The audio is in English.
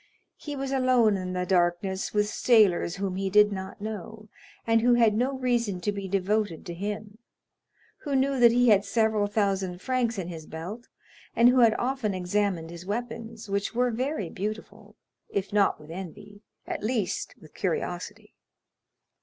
He was alone in the darkness with sailors whom he did not know, and who had no reason to be devoted to him; who knew that he had several thousand francs in his belt, and who had often examined his weapons,—which were very beautiful,—if not with envy, at least with curiosity.